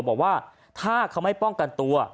บอกว่าถ้าเขาไม่ป้องกันตัว